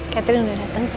catherine udah datang saya